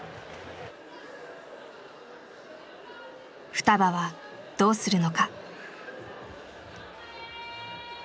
ふたばはどうするのか。